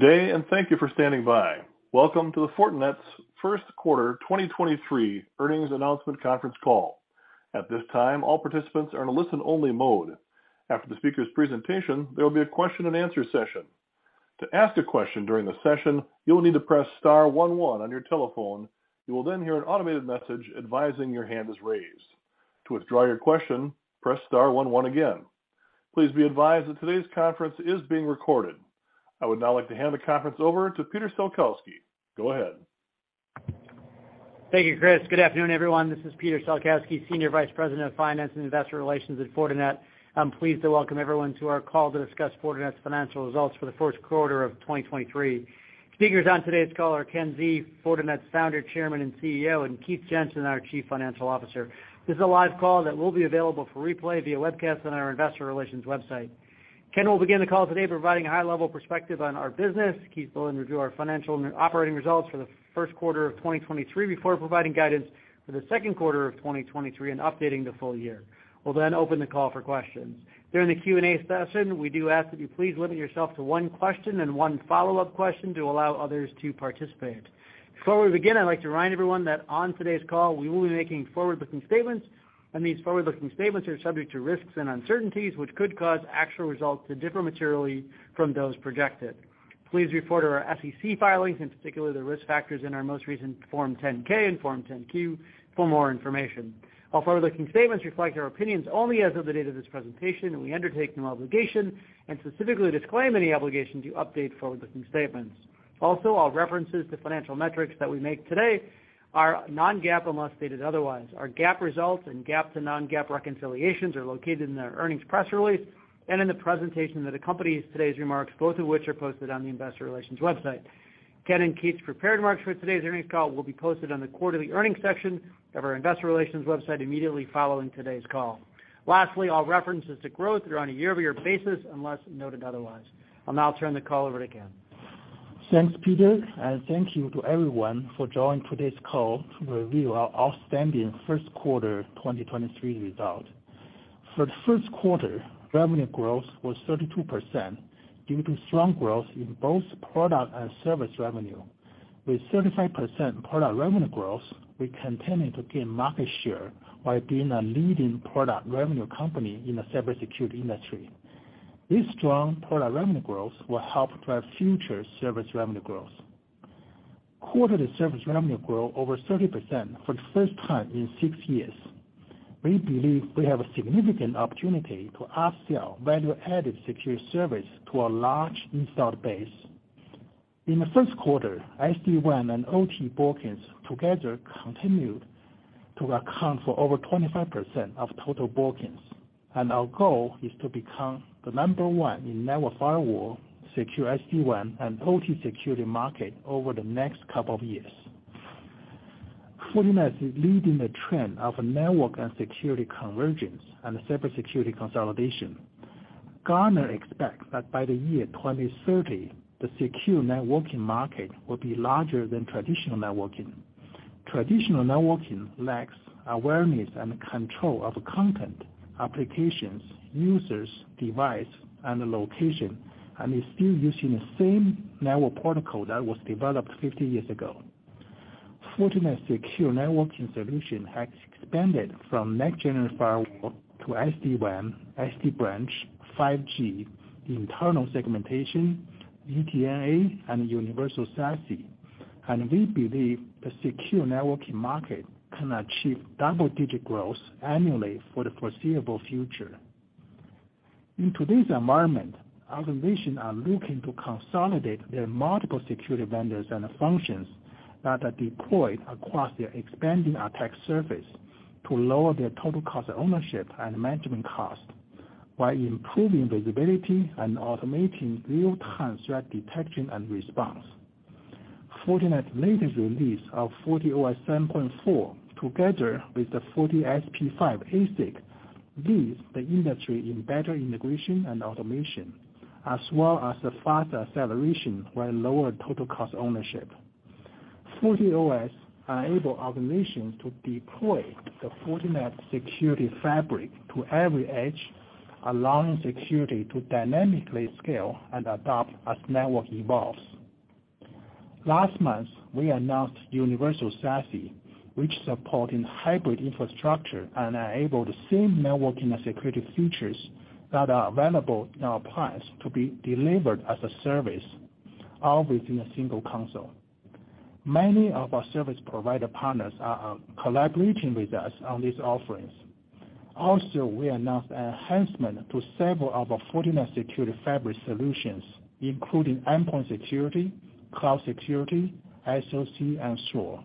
Good day. Thank you for standing by. Welcome to the Fortinet's first quarter 2023 earnings announcement conference call. At this time, all participants are in a listen-only mode. After the speaker's presentation, there will be a question-and-answer session. To ask a question during the session, you will need to press star one one on your telephone. You will hear an automated message advising your hand is raised. To withdraw your question, press star one one again. Please be advised that today's conference is being recorded. I would now like to hand the conference over to Peter Salkowski. Go ahead. Thank you, Chris. Good afternoon, everyone. This is Peter Salkowski, Senior Vice President of Finance and Investor Relations at Fortinet. I'm pleased to welcome everyone to our call to discuss Fortinet's financial results for the first quarter of 2023. Speakers on today's call are Ken Xie, Fortinet's Founder, Chairman, and CEO, and Keith Jensen, our Chief Financial Officer. This is a live call that will be available for replay via webcast on our investor relations website. Ken will begin the call today providing a high-level perspective on our business. Keith will then review our financial and operating results for the first quarter of 2023 before providing guidance for the second quarter of 2023 and updating the full year. We'll then open the call for questions. During the Q&A session, we do ask that you please limit yourself to one question and one follow-up question to allow others to participate. Before we begin, I'd like to remind everyone that on today's call, we will be making forward-looking statements. These forward-looking statements are subject to risks and uncertainties, which could cause actual results to differ materially from those projected. Please refer to our SEC filings, in particular the risk factors in our most recent Form 10-K and Form 10-Q for more information. All forward-looking statements reflect our opinions only as of the date of this presentation. We undertake no obligation and specifically disclaim any obligation to update forward-looking statements. Also, all references to financial metrics that we make today are non-GAAP unless stated otherwise. Our GAAP results and GAAP to non-GAAP reconciliations are located in the earnings press release and in the presentation that accompanies today's remarks, both of which are posted on the investor relations website. Ken and Keith's prepared remarks for today's earnings call will be posted on the quarterly earnings section of our investor relations website immediately following today's call. Lastly, all references to growth are on a YoY basis unless noted otherwise. I'll now turn the call over to Ken. Thanks, Peter, and thank you to everyone for joining today's call to review our outstanding first quarter 2023 result. For the first quarter, revenue growth was 32% due to strong growth in both product and service revenue. With 35% product revenue growth, we continued to gain market share while being a leading product revenue company in the cybersecurity industry. This strong product revenue growth will help drive future service revenue growth. Quarterly service revenue grow over 30% for the first time in six years. We believe we have a significant opportunity to upsell value-added secure service to our large installed base. In the first quarter, SD-WAN and OT bookings together continued to account for over 25% of total bookings, and our goal is to become the number one in network firewall, secure SD-WAN, and OT security market over the next couple of years. Fortinet is leading the trend of network and security convergence and cybersecurity consolidation. Gartner expects that by the year 2030, the secure networking market will be larger than traditional networking. Traditional networking lacks awareness and control of content, applications, users, device, and the location, and is still using the same network protocol that was developed 50 years ago. Fortinet's secure networking solution has expanded from next-generation firewall to SD-WAN, SD-Branch, 5G, internal segmentation, SDNA, and Universal SASE. We believe the secure networking market can achieve double-digit growth annually for the foreseeable future. In today's environment, organizations are looking to consolidate their multiple security vendors and functions that are deployed across their expanding attack surface to lower their total cost of ownership and management cost while improving visibility and automating real-time threat detection and response. Fortinet's latest release of FortiOS 7.4, together with the FortiSP5 ASIC, leads the industry in better integration and automation, as well as a faster acceleration while lower total cost ownership. FortiOS enable organizations to deploy the Fortinet Security Fabric to every edge, allowing security to dynamically scale and adapt as network evolves. Last month, we announced Universal SASE, which supporting hybrid infrastructure and enable the same networking and security features that are available in our plans to be delivered as a service, all within a single console. Many of our service provider partners are collaborating with us on these offerings. Also, we announced enhancement to several of our Fortinet Security Fabric solutions, including endpoint security, cloud security, SOC, and SOAR.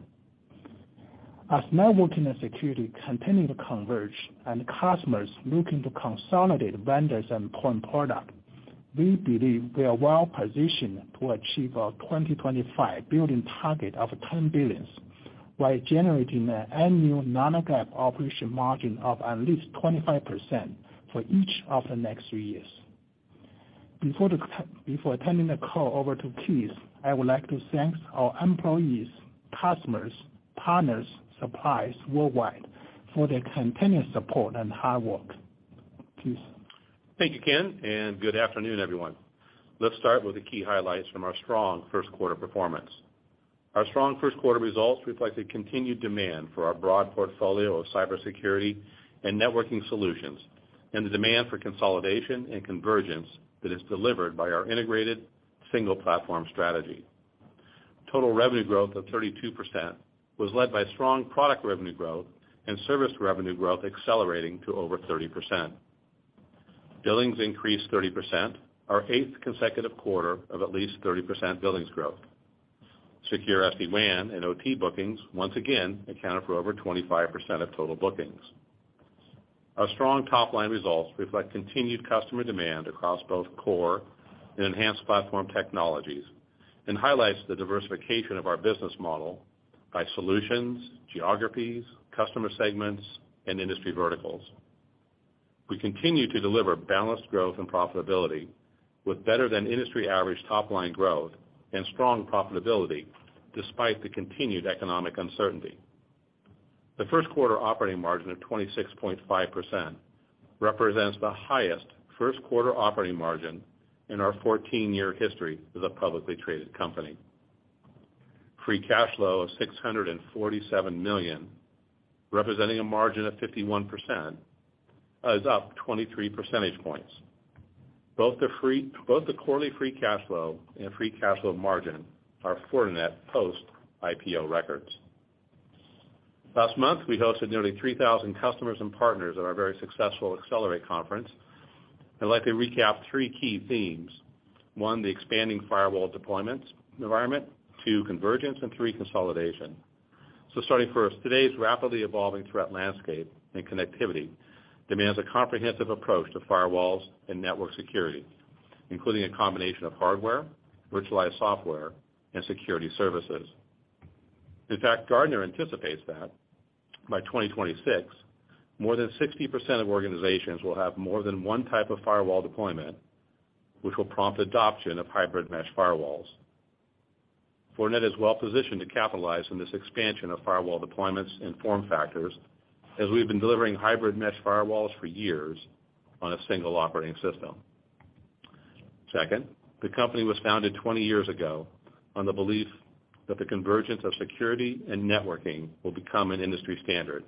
As networking and security continue to converge and customers looking to consolidate vendors and point product, we believe we are well positioned to achieve our 2025 billings target of $10 billion while generating an annual non-GAAP operating margin of at least 25% for each of the next three years. Before turning the call over to Keith, I would like to thank our employees, customers, partners, suppliers worldwide for their continuous support and hard work. Thank you, Ken. Good afternoon, everyone. Let's start with the key highlights from our strong first quarter performance. Our strong first quarter results reflect a continued demand for our broad portfolio of cybersecurity and networking solutions, and the demand for consolidation and convergence that is delivered by our integrated single-platform strategy. Total revenue growth of 32% was led by strong product revenue growth and service revenue growth accelerating to over 30%. Billings increased 30%, our eighth consecutive quarter of at least 30% billings growth. Secure SD-WAN and OT bookings once again accounted for over 25% of total bookings. Our strong top-line results reflect continued customer demand across both core and enhanced platform technologies and highlights the diversification of our business model by solutions, geographies, customer segments, and industry verticals. We continue to deliver balanced growth and profitability with better than industry average top-line growth and strong profitability despite the continued economic uncertainty. The first quarter operating margin of 26.5% represents the highest first-quarter operating margin in our 14-year history as a publicly traded company. Free cash flow of $647 million, representing a margin of 51%, is up 23 percentage points. Both the quarterly free cash flow and free cash flow margin are Fortinet post-IPO records. Last month, we hosted nearly 3,000 customers and partners at our very successful Accelerate conference. I'd like to recap three key themes. One, the expanding firewall deployments environment. Two, convergence. Three, consolidation. Starting first, today's rapidly evolving threat landscape and connectivity demands a comprehensive approach to firewalls and network security, including a combination of hardware, virtualized software, and security services. In fact, Gartner anticipates that by 2026, more than 60% of organizations will have more than one type of firewall deployment, which will prompt adoption of hybrid mesh firewalls. Fortinet is well-positioned to capitalize on this expansion of firewall deployments and form factors as we've been delivering hybrid mesh firewalls for years on a single operating system. Second, the company was founded 20 years ago on the belief that the convergence of security and networking will become an industry standard.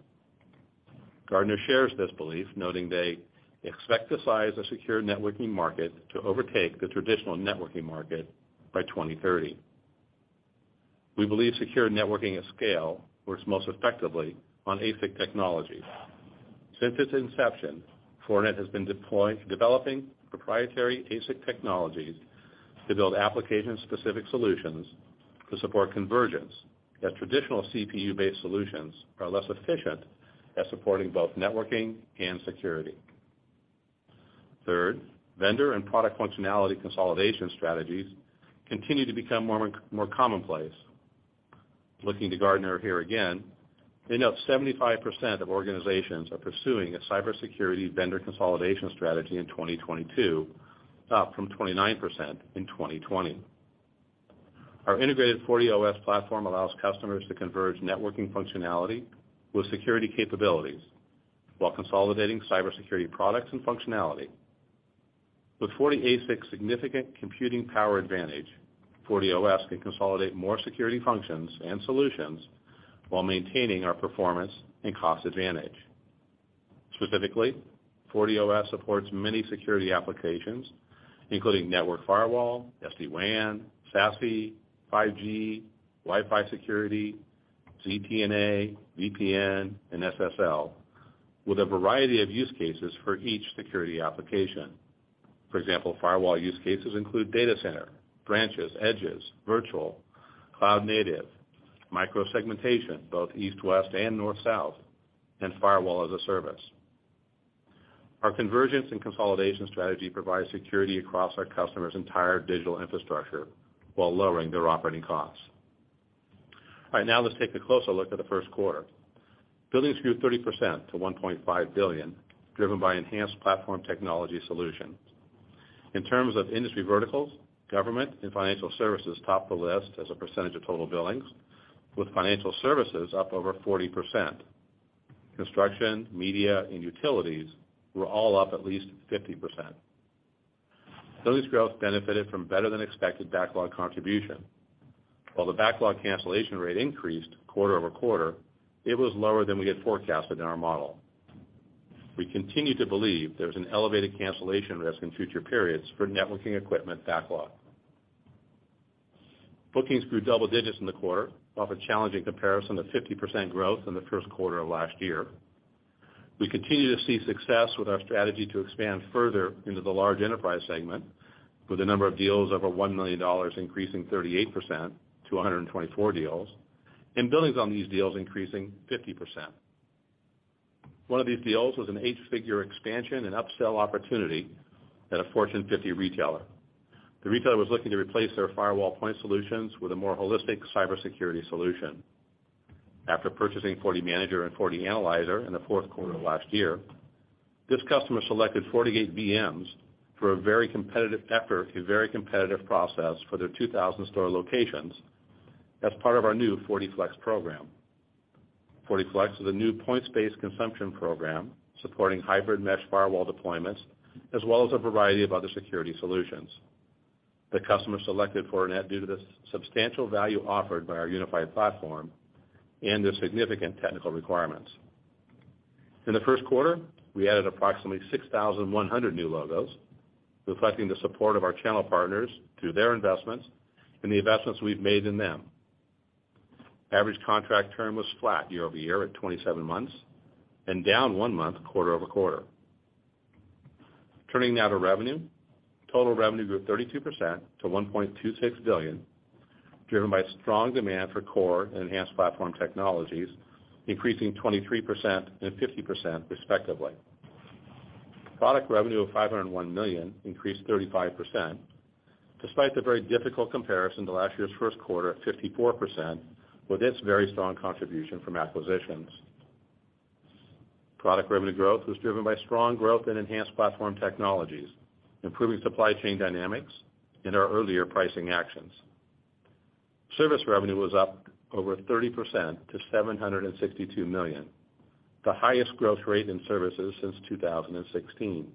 Gartner shares this belief, noting they expect the size of secure networking market to overtake the traditional networking market by 2030. We believe secure networking at scale works most effectively on ASIC technologies. Since its inception, Fortinet has been developing proprietary ASIC technologies to build application-specific solutions to support convergence that traditional CPU-based solutions are less efficient at supporting both networking and security. Third, vendor and product functionality consolidation strategies continue to become more commonplace. Looking to Gartner here again, they note 75% of organizations are pursuing a cybersecurity vendor consolidation strategy in 2022, up from 29% in 2020. Our integrated FortiOS platform allows customers to converge networking functionality with security capabilities while consolidating cybersecurity products and functionality. With FortiASIC's significant computing power advantage, FortiOS can consolidate more security functions and solutions while maintaining our performance and cost advantage. Specifically, FortiOS supports many security applications, including network firewall, SD-WAN, SASE, 5G, Wi-Fi security, ZTNA, VPN, and SSL, with a variety of use cases for each security application. For example, firewall use cases include data center, branches, edges, virtual, cloud native, micro-segmentation, both east-west and north-south, and Firewall as a Service. Our convergence and consolidation strategy provides security across our customers' entire digital infrastructure while lowering their operating costs. All right, now let's take a closer look at the first quarter. Billings grew 30% to $1.5 billion, driven by enhanced platform technology solutions. In terms of industry verticals, government and financial services topped the list as a percentage of total billings, with financial services up over 40%. Construction, media, and utilities were all up at least 50%. Billings growth benefited from better than expected backlog contribution. While the backlog cancellation rate increased QoQ, it was lower than we had forecasted in our model. We continue to believe there's an elevated cancellation risk in future periods for networking equipment backlog. Bookings grew double digits in the quarter off a challenging comparison to 50% growth in the first quarter of last year. We continue to see success with our strategy to expand further into the large enterprise segment, with the number of deals over $1 million increasing 38% to 124 deals, and billings on these deals increasing 50%. One of these deals was an eight-figure expansion and upsell opportunity at a Fortune 50 retailer. The retailer was looking to replace their firewall point solutions with a more holistic cybersecurity solution. After purchasing FortiManager and FortiAnalyzer in the fourth quarter of last year, this customer selected FortiGate VMs for a very competitive process for their 2,000 store locations as part of our new FortiFlex program. FortiFlex is a new points-based consumption program supporting hybrid mesh firewall deployments, as well as a variety of other security solutions. The customer selected Fortinet due to the substantial value offered by our unified platform and the significant technical requirements. In the first quarter, we added approximately 6,100 new logos, reflecting the support of our channel partners through their investments and the investments we've made in them. Average contract term was flat YoY at 27 months and down one month QoQ. Turning now to revenue. Total revenue grew 32% to $1.26 billion, driven by strong demand for core and enhanced platform technologies, increasing 23% and 50% respectively. Product revenue of $501 million increased 35%, despite the very difficult comparison to last year's first quarter of 54% with its very strong contribution from acquisitions. Product revenue growth was driven by strong growth in enhanced platform technologies, improving supply chain dynamics, and our earlier pricing actions. Service revenue was up over 30% to $762 million, the highest growth rate in services since 2016.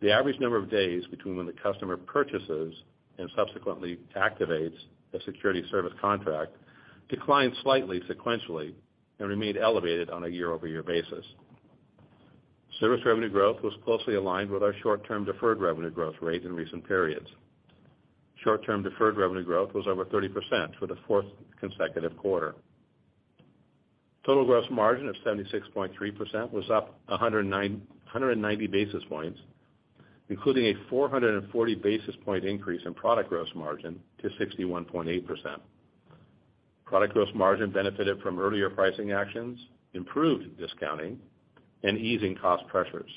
The average number of days between when the customer purchases and subsequently activates a security service contract declined slightly sequentially and remained elevated on a YoY basis. Service revenue growth was closely aligned with our short-term deferred revenue growth rate in recent periods. Short-term deferred revenue growth was over 30% for the fourth consecutive quarter. Total gross margin of 76.3% was up 190 basis points, including a 440 basis point increase in product gross margin to 61.8%. Product gross margin benefited from earlier pricing actions, improved discounting, and easing cost pressures.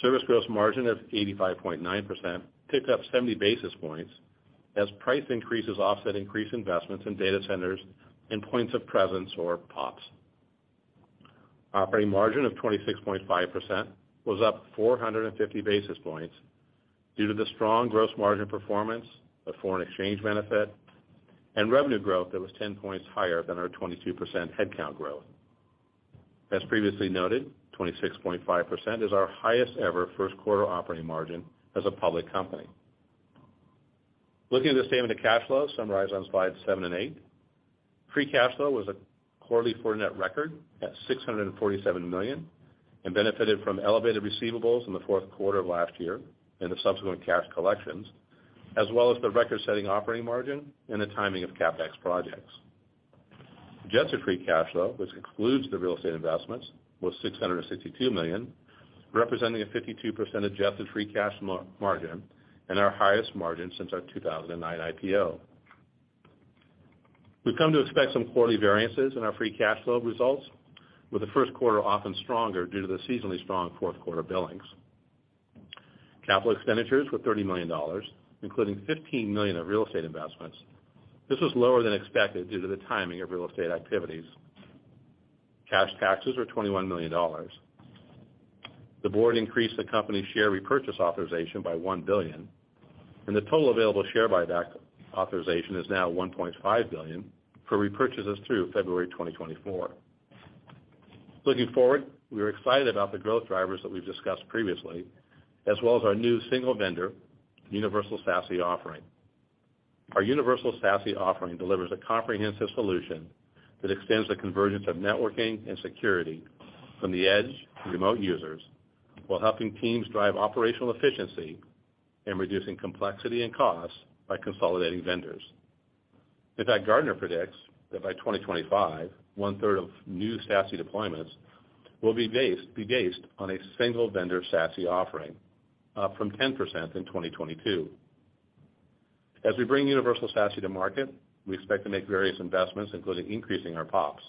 Service gross margin of 85.9% ticked up 70 basis points as price increases offset increased investments in data centers and points of presence or PoPs. Operating margin of 26.5% was up 450 basis points due to the strong gross margin performance of foreign exchange benefit and revenue growth that was 10 points higher than our 22% headcount growth. As previously noted, 26.5% is our highest ever first quarter operating margin as a public company. Looking at the statement of cash flow summarized on slides seven and eight. Free cash flow was a quarterly Fortinet record at $647 million and benefited from elevated receivables in the fourth quarter of last year and the subsequent cash collections, as well as the record-setting operating margin and the timing of CapEx projects. Adjusted free cash flow, which includes the real estate investments, was $662 million, representing a 52% adjusted free cash margin and our highest margin since our 2009 IPO. We've come to expect some quarterly variances in our free cash flow results, with the first quarter often stronger due to the seasonally strong fourth-quarter billings. Capital expenditures were $30 million, including $15 million of real estate investments. This was lower than expected due to the timing of real estate activities. Cash taxes were $21 million. The board increased the company's share repurchase authorization by $1 billion. The total available share buyback authorization is now $1.5 billion for repurchases through February 2024. Looking forward, we are excited about the growth drivers that we've discussed previously, as well as our new single vendor Universal SASE offering. Our Universal SASE offering delivers a comprehensive solution that extends the convergence of networking and security from the edge to remote users while helping teams drive operational efficiency and reducing complexity and costs by consolidating vendors. In fact, Gartner predicts that by 2025, one-third of new SASE deployments will be based on a single vendor SASE offering, from 10% in 2022. As we bring Universal SASE to market, we expect to make various investments, including increasing our PoPs.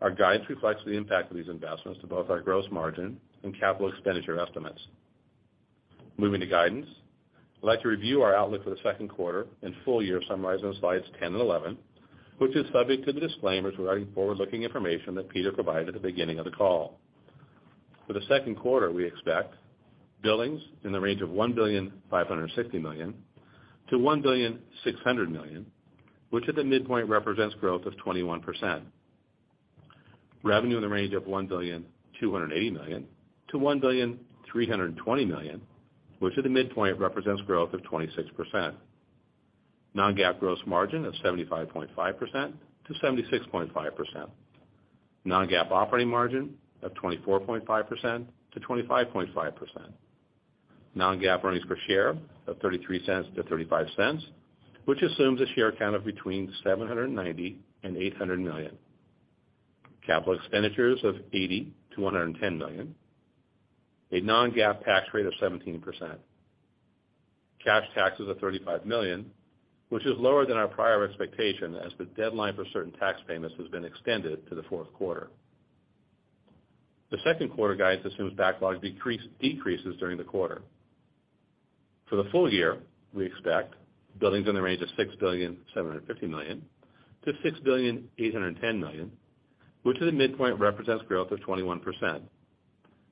Our guidance reflects the impact of these investments to both our gross margin and capital expenditure estimates. Moving to guidance, I'd like to review our outlook for the second quarter and full year summarized on slides 10 and 11, which is subject to the disclaimers regarding forward-looking information that Peter provided at the beginning of the call. For the second quarter, we expect billings in the range of $1.56-$1.6 billion, which at the midpoint represents growth of 21%. Revenue in the range of $1.28-$1.32 billion, which at the midpoint represents growth of 26%. Non-GAAP gross margin of 75.5%-76.5%. Non-GAAP operating margin of 24.5%-25.5%. Non-GAAP earnings per share of $0.33-$0.35, which assumes a share count of between 790 million and 800 million. Capital expenditures of $80-$110 million. A non-GAAP tax rate of 17%. Cash taxes of $35 million, which is lower than our prior expectation as the deadline for certain tax payments has been extended to the fourth quarter. The second quarter guidance assumes backlog decreases during the quarter. For the full year, we expect billings in the range of $6.75-$6.81 billion, which at the midpoint represents growth of 21%.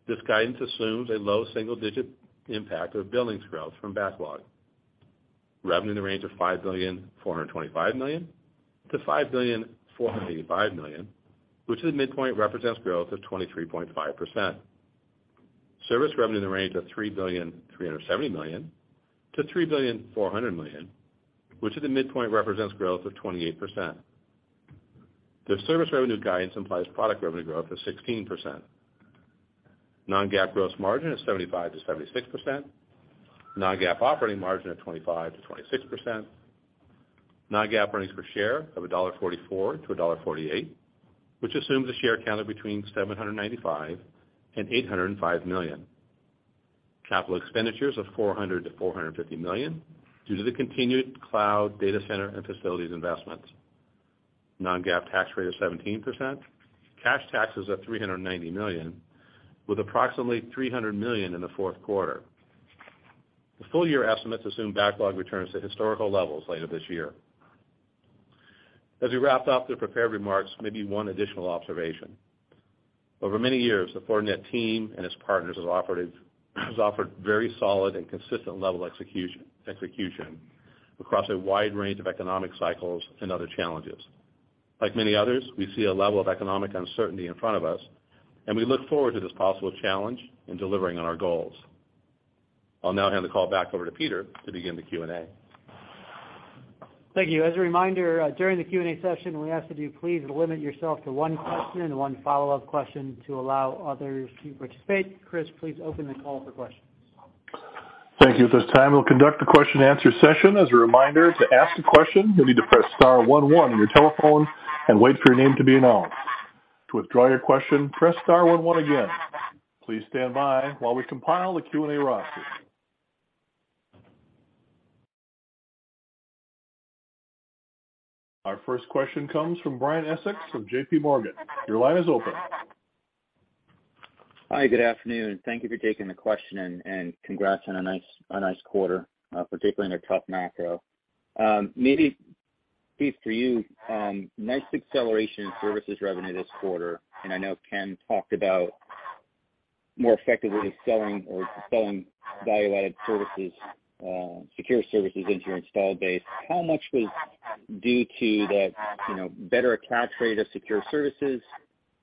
This guidance assumes a low single-digit impact of billings growth from backlog. Revenue in the range of $5.425-$5.485 billion, which at the midpoint represents growth of 23.5%. Service revenue in the range of $3.37-$3.4 billion, which at the midpoint represents growth of 28%. The service revenue guidance implies product revenue growth of 16%. Non-GAAP gross margin of 75%-76%. Non-GAAP operating margin of 25%-26%. Non-GAAP earnings per share of $1.44-$1.48, which assumes a share count of between 795 million and 805 million. Capital expenditures of $400-$450 million due to the continued cloud data center and facilities investments. Non-GAAP tax rate of 17%. Cash taxes of $390 million with approximately $300 million in the fourth quarter. The full year estimates assume backlog returns to historical levels later this year. As we wrap up the prepared remarks, maybe one additional observation. Over many years, the Fortinet team and its partners has offered very solid and consistent level execution across a wide range of economic cycles and other challenges. Like many others, we see a level of economic uncertainty in front of us, and we look forward to this possible challenge in delivering on our goals. I'll now hand the call back over to Peter to begin the Q&A. Thank you. As a reminder, during the Q&A session, we ask that you please limit yourself to one question and one follow-up question to allow others to participate. Chris, please open the call for questions. Thank you. At this time, we'll conduct a question-and-answer session. As a reminder, to ask a question, you'll need to press star one one on your telephone and wait for your name to be announced. To withdraw your question, press star one one again. Please stand by while we compile the Q&A roster. Our first question comes from Brian Essex of JPMorgan Chase & Co.. Your line is open. Hi, good afternoon. Thank you for taking the question and congrats on a nice quarter, particularly in a tough macro. Maybe, Keith, for you, nice acceleration in services revenue this quarter, and I know Ken talked about more effectively selling or selling value-added services, secure services into your installed base. How much was due to the, you know, better attach rate of secure services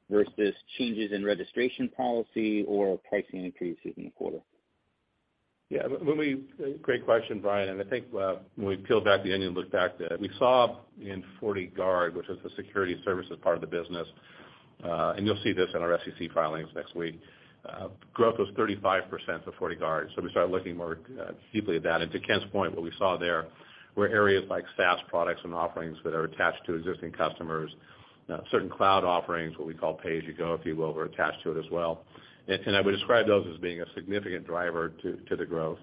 versus changes in registration policy or pricing increases in the quarter? Yeah. Great question, Brian. And I think, when we peel back the onion and look back, we saw in FortiGuard, which is the security services part of the business, and you'll see this in our SEC filings next week, growth was 35% for FortiGuard. We started looking more deeply at that. To Ken's point, what we saw there were areas like SaaS products and offerings that are attached to existing customers. Certain cloud offerings, what we call pay-as-you-go, if you will, were attached to it as well. I would describe those as being a significant driver to the growth.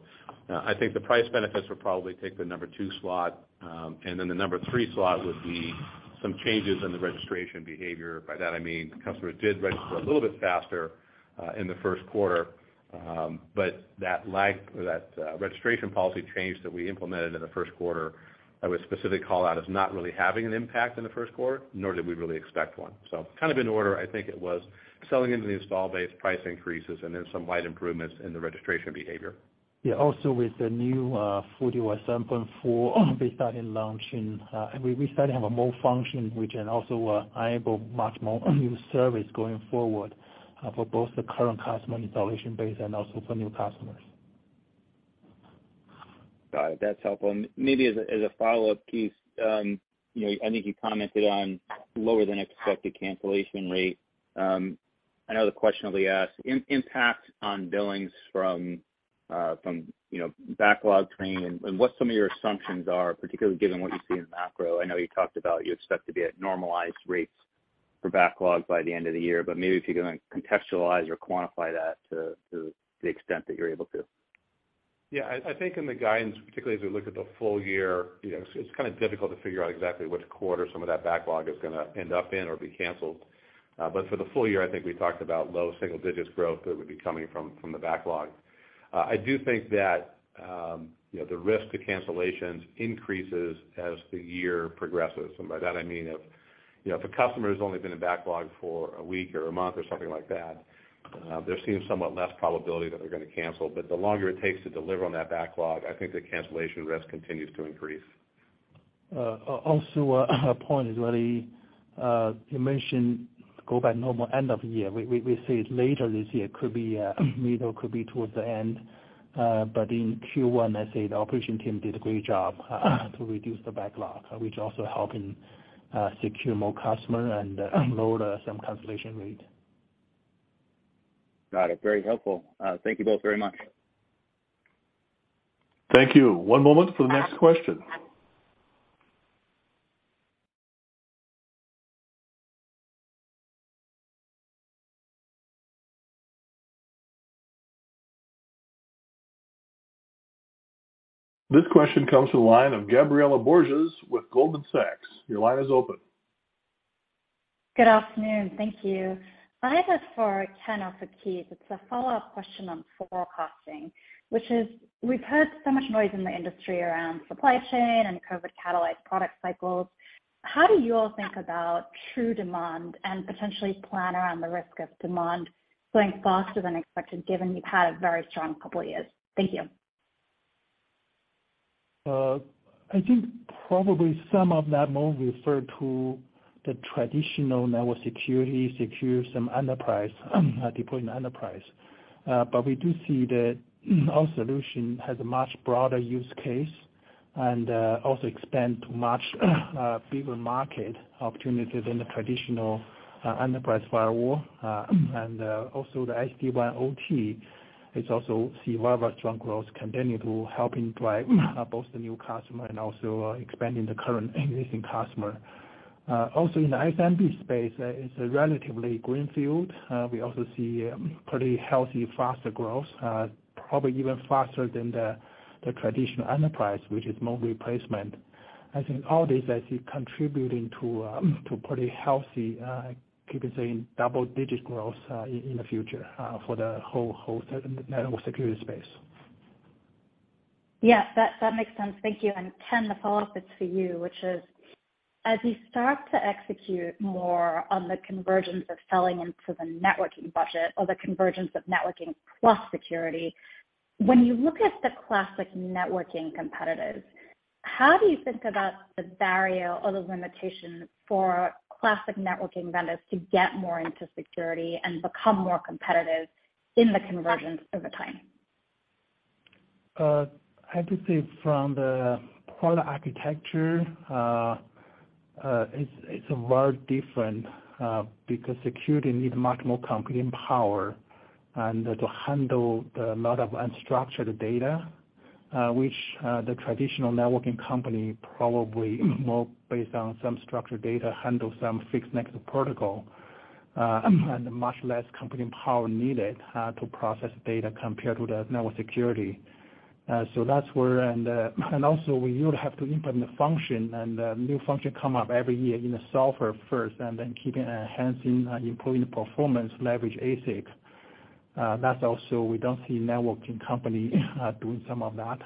I think the price benefits would probably take the number two slot, and then the number three slot would be some changes in the registration behavior. By that I mean customers did register a little bit faster, in the first quarter, but that lag or that registration policy change that we implemented in the first quarter, I would specific call out as not really having an impact in the first quarter, nor did we really expect one. Kind of in order, I think it was selling into the install base, price increases, and then some light improvements in the registration behavior. Yeah. Also with the new FortiOS 7.4 we started launching, we started to have a more function which can also enable much more new service going forward, for both the current customer installation base and also for new customers. Got it. That's helpful. Maybe as a, as a follow-up, Keith, you know, I think you commented on lower than expected cancellation rate. I know the question will be asked, impact on billings from, you know, backlog training and what some of your assumptions are, particularly given what you see in macro. I know you talked about you expect to be at normalized rates for backlog by the end of the year, but maybe if you can contextualize or quantify that to the extent that you're able to. Yeah. I think in the guidance, particularly as we look at the full year, you know, it's kind of difficult to figure out exactly which quarter some of that backlog is gonna end up in or be canceled. For the full year, I think we talked about low single digits growth that would be coming from the backlog. I do think that, you know, the risk to cancellations increases as the year progresses. By that I mean if, you know, if a customer's only been in backlog for a week or a month or something like that, there seems somewhat less probability that they're gonna cancel. The longer it takes to deliver on that backlog, I think the cancellation risk continues to increase. Also, a point is really, you mentioned go back normal end of the year. We see it later this year. It could be middle, could be towards the end. In Q1, I say the operation team did a great job to reduce the backlog, which also helping secure more customer and lower some cancellation rate. Got it. Very helpful. Thank you both very much. Thank you. One moment for the next question. This question comes from the line of Gabriela Borges with Goldman Sachs. Your line is open. Good afternoon. Thank you. I have this for Ken or for Keith. It's a follow-up question on forecasting, which is we've heard so much noise in the industry around supply chain and COVID catalyzed product cycles. How do you all think about true demand and potentially plan around the risk of demand growing faster than expected, given you've had a very strong couple of years? Thank you. I think probably some of that more referred to the traditional network security, secure some enterprise, deploy in enterprise. We do see that our solution has a much broader use case and also expand to much bigger market opportunity than the traditional enterprise firewall. Also the SD-WAN OT is also see very strong growth continuing to helping drive both the new customer and also expanding the current existing customer. In the S&P space, it's a relatively green field. We also see pretty healthy, faster growth, probably even faster than the traditional enterprise, which is more replacement. I think all this I see contributing to pretty healthy, keep it saying double-digit growth in the future for the whole network security space. Yes. That makes sense. Thank you. Ken, the follow-up is for you, which is as you start to execute more on the convergence of selling into the networking budget or the convergence of networking plus security, when you look at the classic networking competitors, how do you think about the barrier or the limitation for classic networking vendors to get more into security and become more competitive in the convergence over time? I could say from the product architecture, it's very different because security need much more computing power and to handle the lot of unstructured data, which the traditional networking company probably more based on some structured data, handle some fixed next protocol, and much less computing power needed to process data compared to the network security. That's where... Also you would have to implement the function, and the new function come up every year in the software first, and then keeping enhancing, improving the performance leverage ASIC. Also we don't see networking company doing some of that.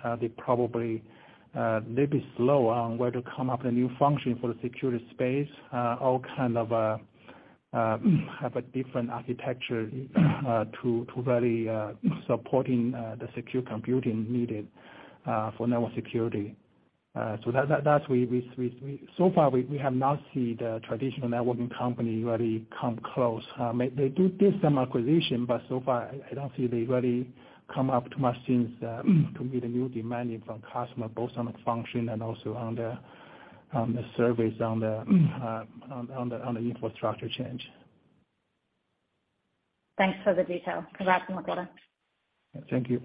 They probably little bit slow on where to come up a new function for the security space. All kind of have a different architecture to really supporting the secure computing needed for network security. That's we. So far we have not seen the traditional networking company really come close. They did some acquisition, so far I don't see they really come up to my scenes to meet a new demanding from customer, both on the function and also on the surveys on the infrastructure change. Thanks for the detail. Congrats on the quarter. Thank you.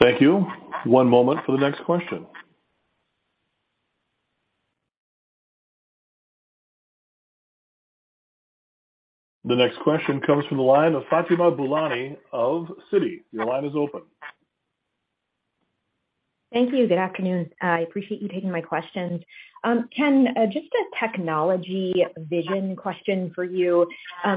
Thank you. One moment for the next question. The next question comes from the line of Fatima Boolani of Citi. Your line is open. Thank you. Good afternoon. I appreciate you taking my questions. Ken, just a technology vision question for you.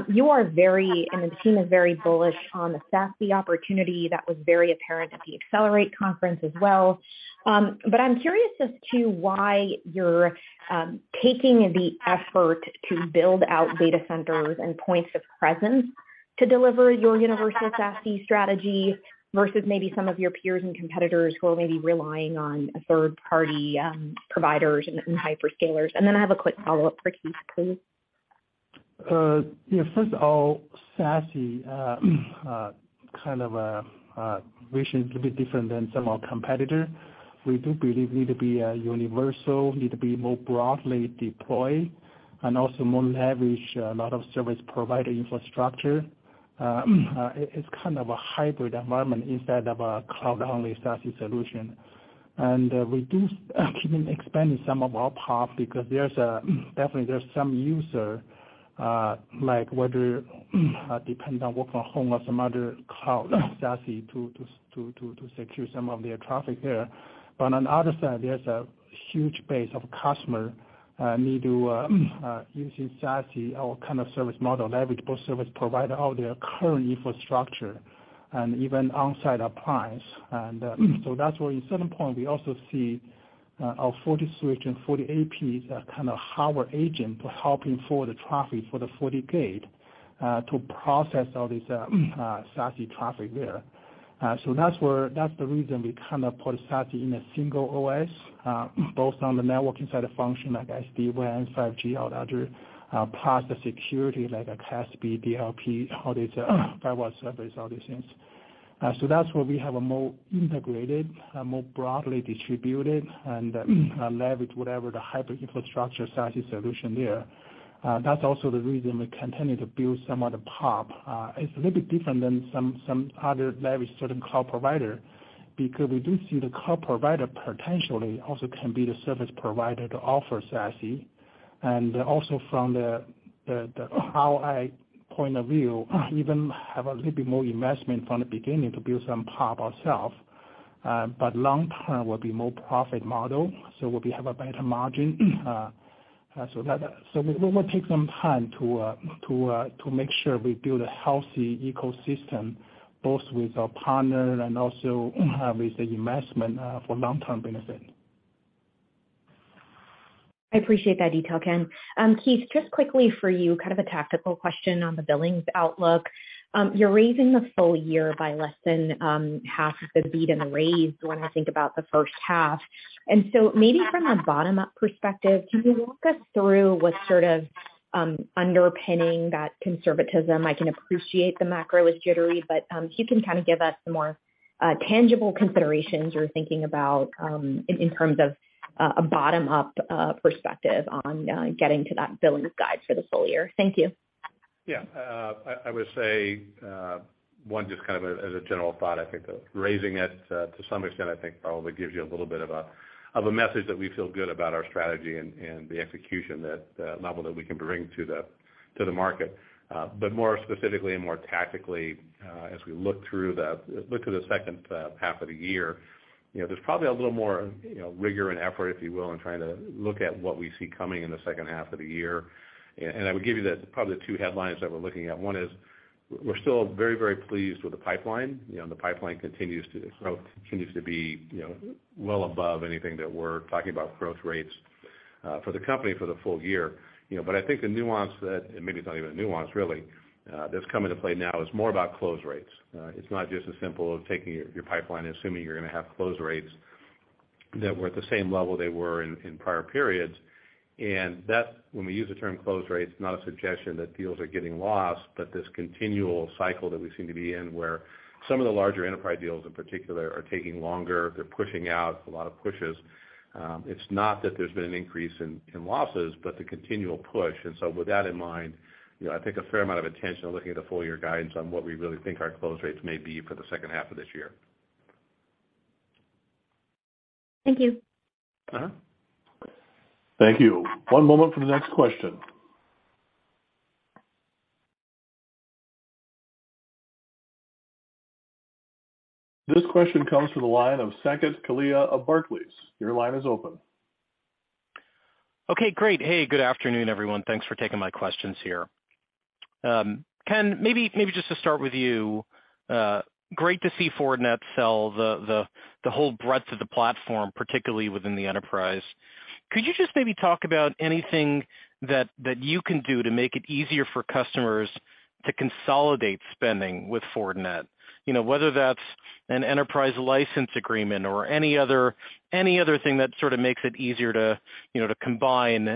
You are very, and the team is very bullish on the SASE opportunity that was very apparent at the Accelerate conference as well. I'm curious as to why you're taking the effort to build out data centers and points of presence to deliver your Universal SASE strategy versus maybe some of your peers and competitors who are maybe relying on a third-party providers and hyperscalers. Then I have a quick follow-up for Keith, please. Yeah, first of all, SASE, kind of vision a little bit different than some of our competitor. We do believe need to be a universal, need to be more broadly deployed and also more leverage a lot of service provider infrastructure. It's kind of a hybrid environment instead of a cloud-only SASE solution. We do keeping expanding some of our path because there's a. Definitely there's some user, like whether, depends on work from home or some other cloud SASE to secure some of their traffic there. On the other side, there's a huge base of customer, need to using SASE or kind of service model leverage both service provider all their current infrastructure and even on-site appliance. That's where in certain point we also see our FortiGate and FortiAP, kind of our agent helping forward the traffic for the FortiGate, to process all this SASE traffic there. That's the reason we kind of put SASE in a single OS, both on the networking side of function like SD-WAN, 5G or other, plus the security like a CASB, DLP, all these firewall service, all these things. That's where we have a more integrated, more broadly distributed and leverage whatever the hybrid infrastructure SASE solution there. That's also the reason we continue to build some of the PoP. It's a little bit different than some other leverage certain cloud provider, because we do see the cloud provider potentially also can be the service provider to offer SASE. Also from the ROI point of view, even have a little bit more investment from the beginning to build some PoP ourself, but long term will be more profit model, so we'll be, have a better margin. That, we will take some time to make sure we build a healthy ecosystem, both with our partner and also with the investment for long-term benefit. I appreciate that detail, Ken. Keith, just quickly for you, kind of a tactical question on the billings outlook. You're raising the full year by less than half of the beat and the raise when I think about the first half. Maybe from a bottom-up perspective, can you walk us through what sort of underpinning that conservatism? I can appreciate the macro is jittery, but if you can kind of give us some more tangible considerations you're thinking about in terms of a bottom-up perspective on getting to that billings guide for the full year. Thank you. Yeah. I would say, one, just kind of as a general thought, I think that raising it, to some extent I think probably gives you a little bit of a, of a message that we feel good about our strategy and the execution that, the level that we can bring to the, to the market. More specifically and more tactically, as we look through the, look to the second half of the year, you know, there's probably a little more, you know, rigor and effort, if you will, in trying to look at what we see coming in the second half of the year. I would give you the, probably the two headlines that we're looking at. One is we're still very, very pleased with the pipeline. You know, the pipeline continues to grow, continues to be, you know, well above anything that we're talking about growth rates for the company for the full year. You know, I think the nuance that, and maybe it's not even a nuance really, that's come into play now is more about close rates. It's not just as simple as taking your pipeline, assuming you're gonna have close rates that were at the same level they were in prior periods. That's when we use the term close rates, not a suggestion that deals are getting lost, but this continual cycle that we seem to be in, where some of the larger enterprise deals in particular are taking longer. They're pushing out a lot of pushes. It's not that there's been an increase in losses, but the continual push. With that in mind, you know, I think a fair amount of attention looking at the full year guidance on what we really think our close rates may be for the second half of this year. Thank you. Uh-huh. Thank you. One moment for the next question. This question comes from the line of Saket Kalia of Barclays. Your line is open. Okay, great. Hey, good afternoon, everyone. Thanks for taking my questions here. Ken, maybe just to start with you. Great to see Fortinet sell the whole breadth of the platform, particularly within the enterprise. Could you just maybe talk about anything that you can do to make it easier for customers to consolidate spending with Fortinet? You know, whether that's an enterprise license agreement or any other thing that sort of makes it easier to, you know, to combine,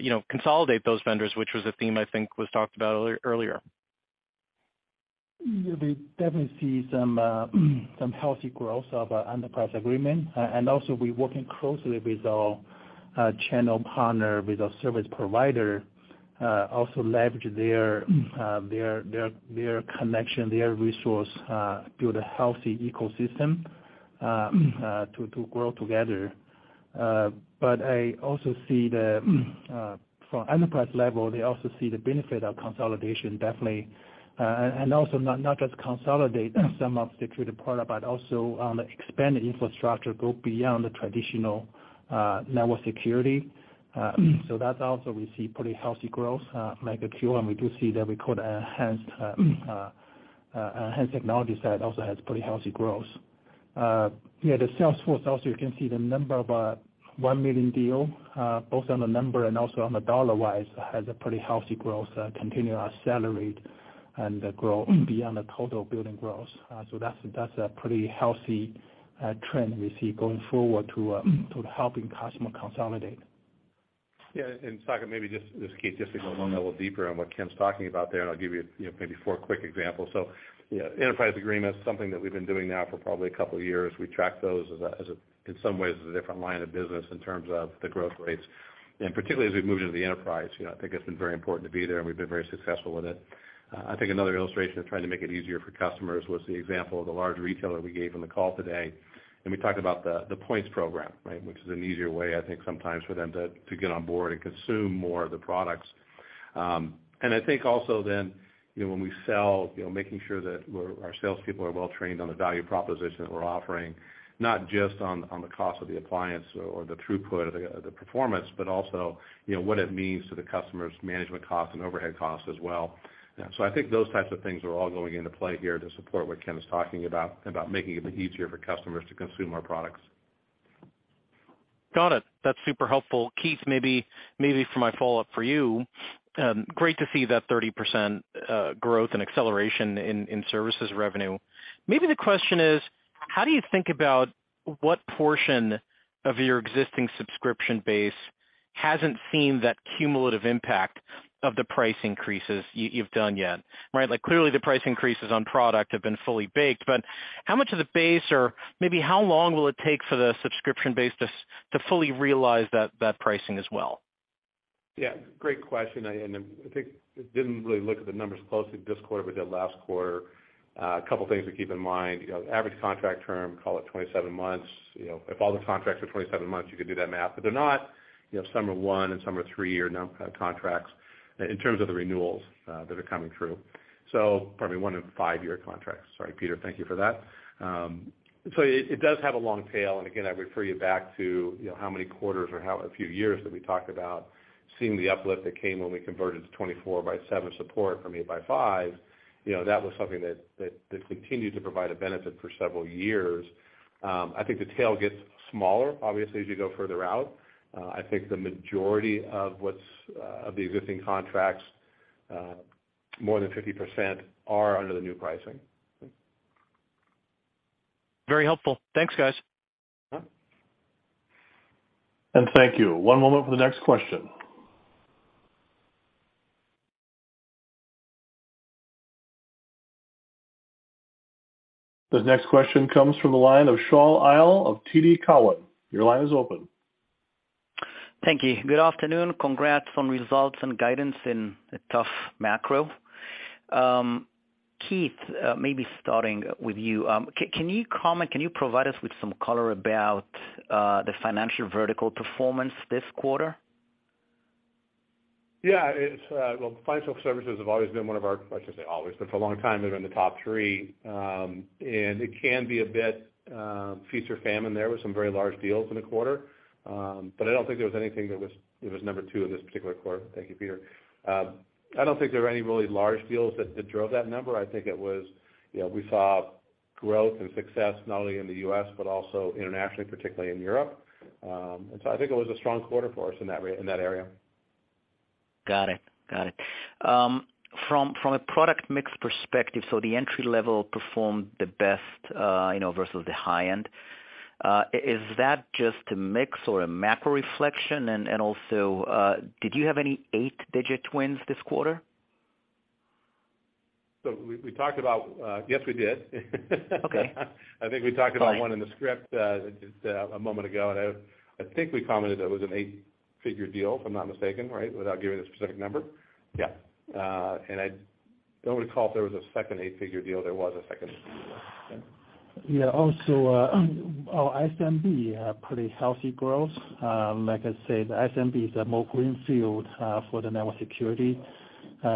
you know, consolidate those vendors, which was a theme I think was talked about earlier. We definitely see some healthy growth of our enterprise agreement, and also we working closely with our channel partner, with our service provider, also leverage their connection, their resource, build a healthy ecosystem, to grow together. I also see the from enterprise level, they also see the benefit of consolidation, definitely. Also not just consolidate some of the treated product, but also on the expanded infrastructure group beyond the traditional network security. That's also we see pretty healthy growth, like a Q, and we do see that we could enhance technology side also has pretty healthy growth. Yeah, the sales force also, you can see the number of $1 million deal, both on the number and also on the dollar-wise, has a pretty healthy growth, continue accelerate and grow beyond the total building growth. That's, that's a pretty healthy trend we see going forward to helping customer consolidate. Yeah. Saket, maybe just Keith, just to go a little deeper on what Ken's talking about there, I'll give you know, maybe four quick examples. You know, enterprise agreement is something that we've been doing now for probably a couple of years. We track those as a, in some ways, as a different line of business in terms of the growth rates. Particularly as we've moved into the enterprise, you know, I think it's been very important to be there and we've been very successful with it. I think another illustration of trying to make it easier for customers was the example of the large retailer we gave on the call today, and we talked about the points program, right? Which is an easier way, I think, sometimes for them to get on board and consume more of the products. I think also then, you know, when we sell, you know, making sure that our sales people are well trained on the value proposition that we're offering, not just on the cost of the appliance or the throughput of the performance, but also, you know, what it means to the customer's management costs and overhead costs as well. I think those types of things are all going into play here to support what Ken was talking about making it easier for customers to consume our products. Got it. That's super helpful. Keith, maybe for my follow-up for you. Great to see that 30% growth and acceleration in services revenue. Maybe the question is: How do you think about what portion of your existing subscription base hasn't seen that cumulative impact of the price increases you've done yet, right? Like, clearly the price increases on product have been fully baked, but how much of the base, or maybe how long will it take for the subscription base to fully realize that pricing as well? Yeah, great question. I, and I think I didn't really look at the numbers closely this quarter, we did last quarter. A couple of things to keep in mind. You know, average contract term, call it 27 months, you know, if all the contracts are 27 months, you can do that math. They're not, you know, some are one and some are three-year contracts in terms of the renewals that are coming through. Probably one in five-year contracts. Sorry, Peter. Thank you for that. It does have a long tail. Again, I refer you back to, you know, how many quarters or how a few years that we talked about seeing the uplift that came when we converted to 24 by seven support from eight by five, you know, that continued to provide a benefit for several years. I think the tail gets smaller, obviously, as you go further out. I think the majority of what's, of the existing contracts, more than 50% are under the new pricing. Very helpful. Thanks, guys. Thank you. One moment for the next question. The next question comes from the line of Shaul Eyal of TD Cowen. Your line is open. Thank you. Good afternoon. Congrats on results and guidance in a tough macro. Keith, maybe starting with you. Can you comment, can you provide us with some color about the financial vertical performance this quarter? Well, financial services have always been one of our, I shouldn't say always, but for a long time they've been in the top three. It can be a bit feast or famine there with some very large deals in the quarter. I don't think there was anything that was, it was number two in this particular quarter. Thank you, Peter. I don't think there were any really large deals that drove that number. I think it was, you know, we saw growth and success not only in the U.S., but also internationally, particularly in Europe. I think it was a strong quarter for us in that area. Got it. From a product mix perspective, the entry-level performed the best, you know, versus the high end. Is that just a mix or a macro reflection? Also, did you have any eight-digit wins this quarter? We talked about, yes, we did. Okay. I think we talked about one in the script, just a moment ago, and I think we commented it was an eight-figure deal, if I'm not mistaken, right? Without giving a specific number. Yeah. I don't recall if there was a second eight-figure deal. There was a second eight-figure deal. Yeah. Our SMB had pretty healthy growth. Like I said, SMB is a more green field for the network security.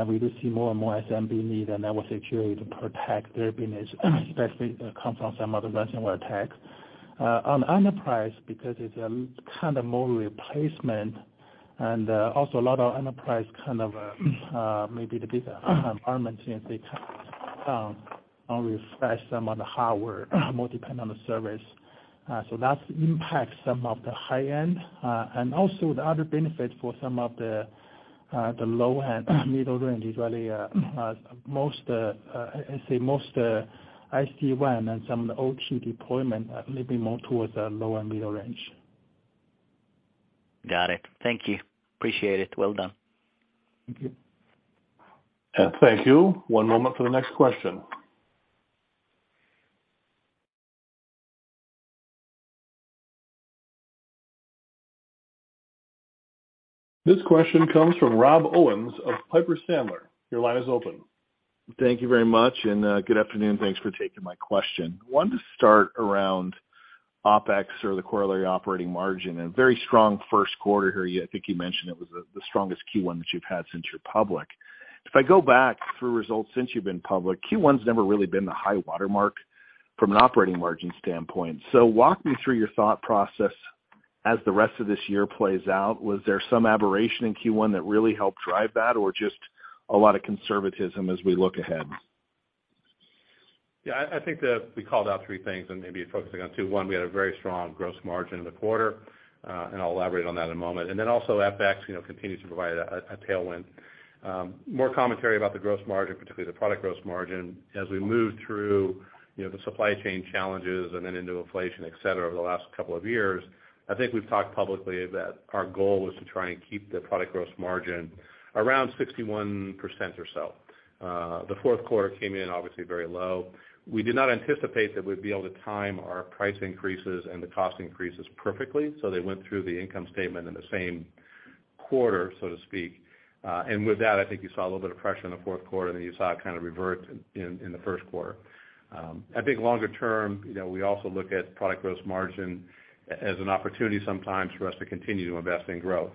We do see more and more SMB need a network security to protect their business, especially comes from some of the ransomware attacks. On enterprise, because it's a kind of more replacement and also a lot of enterprise kind of maybe the business arm and T&D refresh some of the hardware more dependent on the service. That's impact some of the high end. The other benefit for some of the low-end middle range is really most, I say most, IC one and some of the OT deployment may be more towards the low and middle range. Got it. Thank you. Appreciate it. Well done. Thank you. Thank you. One moment for the next question. This question comes from Rob Owens of Piper Sandler. Your line is open. Thank you very much, and good afternoon. Thanks for taking my question. Wanted to start around OpEx or the corollary operating margin and very strong first quarter here. I think you mentioned it was the strongest Q1 that you've had since you're public. If I go back through results since you've been public, Q1's never really been the high watermark from an operating margin standpoint. Walk me through your thought process as the rest of this year plays out. Was there some aberration in Q1 that really helped drive that, or just a lot of conservatism as we look ahead? Yeah, I think we called out three things and maybe focusing on two. One, we had a very strong gross margin in the quarter, and I'll elaborate on that in a moment. Then also FX, you know, continued to provide a tailwind. More commentary about the gross margin, particularly the product gross margin as we move through, you know, the supply chain challenges and then into inflation, et cetera, over the last couple of years, I think we've talked publicly that our goal was to try and keep the product gross margin around 61% or so. The fourth quarter came in obviously very low. We did not anticipate that we'd be able to time our price increases and the cost increases perfectly, so they went through the income statement in the same quarter, so to speak. With that, I think you saw a little bit of pressure in the fourth quarter, then you saw it kind of revert in the first quarter. I think longer term, you know, we also look at product gross margin as an opportunity sometimes for us to continue to invest in growth.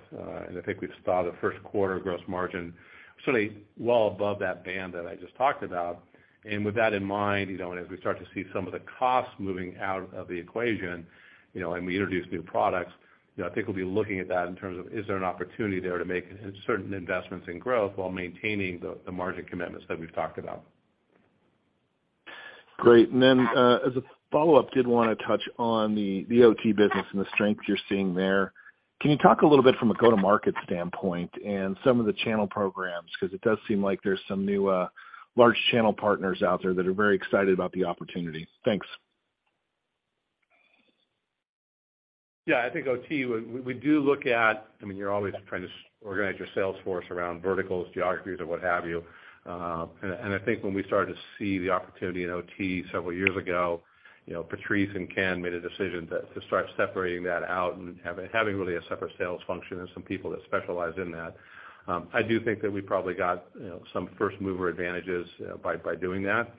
I think we've started the first quarter gross margin certainly well above that band that I just talked about. With that in mind, you know, as we start to see some of the costs moving out of the equation, you know, and we introduce new products, you know, I think we'll be looking at that in terms of is there an opportunity there to make certain investments in growth while maintaining the margin commitments that we've talked about. Great. As a follow-up, did wanna touch on the OT business and the strength you're seeing there. Can you talk a little bit from a go-to-market standpoint and some of the channel programs? 'Cause it does seem like there's some new, large channel partners out there that are very excited about the opportunity. Thanks. I think OT, we do look at. I mean, you're always trying to organize your sales force around verticals, geographies or what have you. I think when we started to see the opportunity in OT several years ago, you know, Patrice and Ken made a decision to start separating that out and having really a separate sales function and some people that specialize in that. I do think that we probably got, you know, some first-mover advantages, by doing that,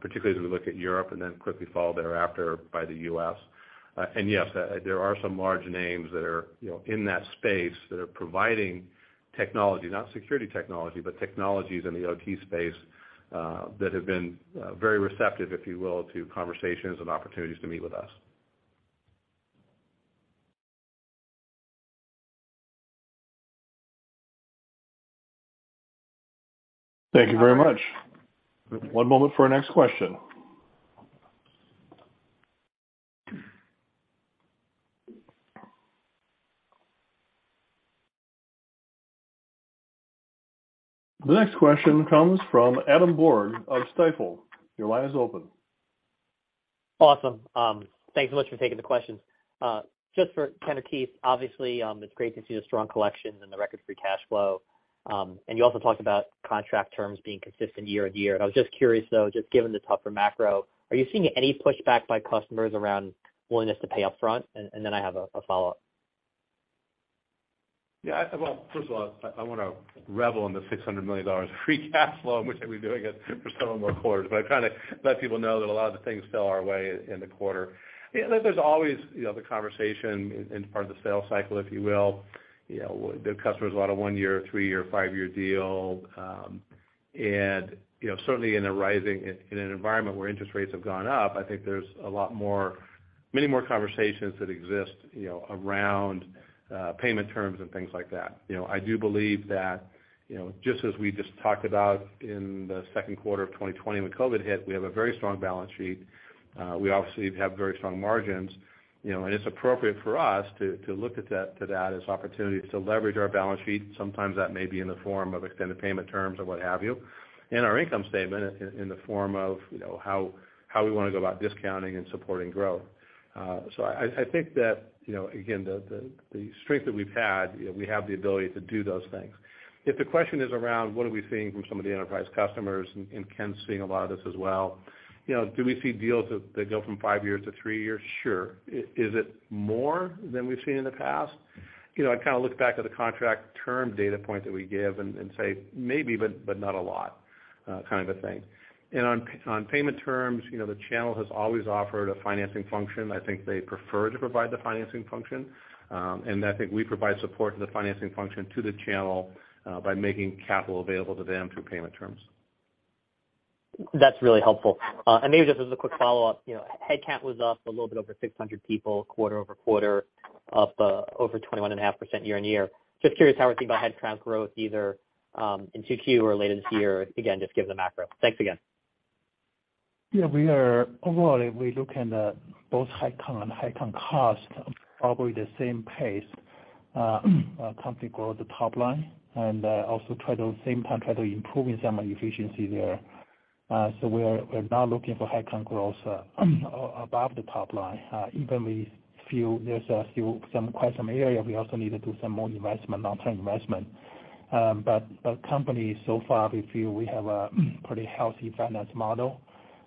particularly as we look at Europe and then quickly followed thereafter by the U.S. Yes, there are some large names that are, you know, in that space that are providing technology, not security technology, but technologies in the OT space, that have been very receptive, if you will, to conversations and opportunities to meet with us. Thank you very much. One moment for our next question. The next question comes from Adam Borg of Stifel. Your line is open. Awesome. Thanks so much for taking the questions. Just for Ken or Keith, obviously, it's great to see the strong collections and the record free cash flow. You also talked about contract terms being consistent YoY. I was just curious though, just given the tougher macro, are you seeing any pushback by customers around willingness to pay up front? Then I have a follow-up. Well, first of all, I wanna revel in the $600 million free cash flow, in which I'll be doing it for several more quarters. I kind of let people know that a lot of the things fell our way in the quarter. There's always, you know, the conversation in part of the sales cycle, if you will. You know, the customers want a one-year, three-year, five-year deal. You know, certainly in an environment where interest rates have gone up, I think there's many more conversations that exist, you know, around payment terms and things like that. You know, I do believe that, you know, just as we just talked about in the second quarter of 2020 when COVID hit, we have a very strong balance sheet. We obviously have very strong margins, you know. It's appropriate for us to look at that as opportunities to leverage our balance sheet. Sometimes that may be in the form of extended payment terms or what have you. In our income statement in the form of, you know, how we wanna go about discounting and supporting growth. I think that, you know, again, the strength that we've had, you know, we have the ability to do those things. If the question is around what are we seeing from some of the enterprise customers. Ken's seeing a lot of this as well, you know, do we see deals that go from five years to three years? Sure. Is it more than we've seen in the past? You know, I kind of look back at the contract term data point that we give and say maybe, but not a lot, kind of a thing. On payment terms, you know, the channel has always offered a financing function. I think they prefer to provide the financing function. I think we provide support to the financing function to the channel, by making capital available to them through payment terms. That's really helpful. Maybe just as a quick follow-up, you know, headcount was up a little bit over 600 people QoQ, up over 21.5% YoY. Just curious how we're thinking about headcount growth either in Q2 or later this year. Again, just given the macro. Thanks again. Overall, if we look at both headcount and headcount cost, probably the same pace, company grow the top line and also try to at the same time try to improving some efficiency there. We're now looking for headcount growth above the top line. We feel there's still some, quite some area we also need to do some more investment, long-term investment. The company so far we feel we have a pretty healthy finance model.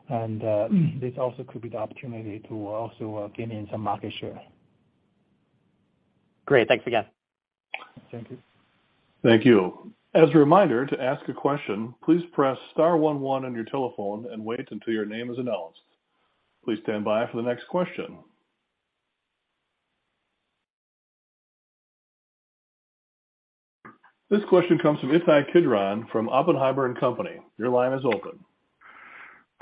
This also could be the opportunity to also gain in some market share. Great. Thanks again. Thank you. Thank you. As a reminder, to ask a question, please press star one one on your telephone and wait until your name is announced. Please stand by for the next question. This question comes from Ittai Kidron from Oppenheimer & Co.. Your line is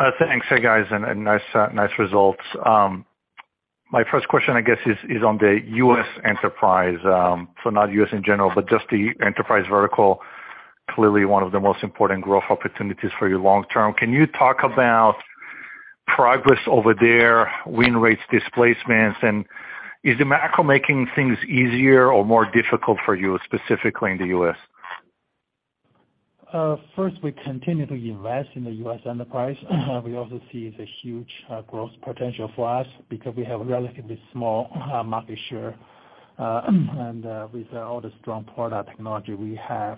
open. Thanks. Hey, guys, nice results. My first question, I guess is on the U.S. enterprise. Not U.S. in general, but just the enterprise vertical. Clearly one of the most important growth opportunities for you long term. Can you talk about progress over there, win rates, displacements, and is the macro making things easier or more difficult for you specifically in the U.S.? First, we continue to invest in the U.S. enterprise. We also see the huge growth potential for us because we have relatively small market share and with all the strong product technology we have.